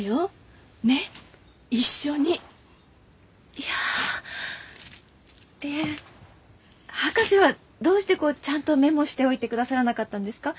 いや。え博士はどうしてこうちゃんとメモしておいてくださらなかったんですか？